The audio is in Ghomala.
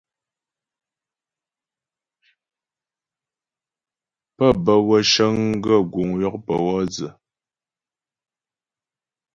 Pə́ bə́ wə́ cəŋ gaə́ guŋ yɔkpə wɔ dzə.